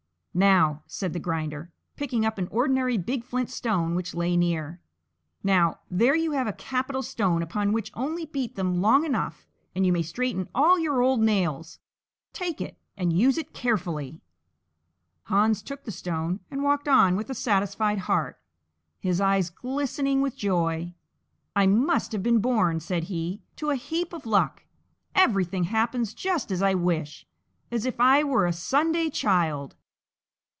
"Now," said the Grinder, picking up an ordinary big flint stone which lay near, "now, there you have a capital stone upon which only beat them long enough and you may straighten all your old nails! Take it, and use it carefully!" Hans took the stone and walked on with a satisfied heart, his eyes glistening with joy. "I must have been born," said he, "to a heap of luck; everything happens just as I wish, as if I were a Sunday child."